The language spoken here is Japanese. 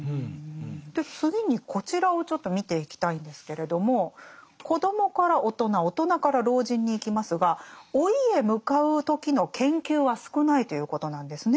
で次にこちらをちょっと見ていきたいんですけれども子どもから大人大人から老人にいきますが老いへ向かう時の研究は少ないということなんですね。